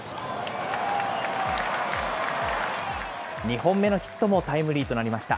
２本目のヒットもタイムリーとなりました。